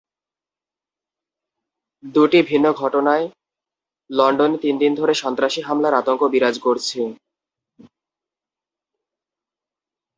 দুটি ভিন্ন ঘটনায় লন্ডনে তিন দিন ধরে সন্ত্রাসী হামলার আতঙ্ক বিরাজ করছে।